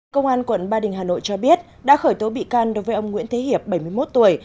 công an quận ba đình hà nội cho biết đã khởi tố bị can đối với ông nguyễn thế hiệp bảy mươi một tuổi